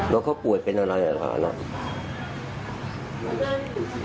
อ๋อแล้วเขาป่วยเป็นอะไรหรือครับอันนั้น